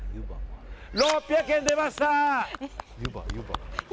６００円、出ました！